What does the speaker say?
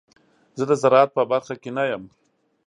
زه د زراعت په برخه کې نه یم.